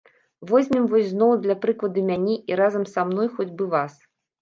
Возьмем вось зноў для прыкладу мяне і, разам са мною, хоць бы вас.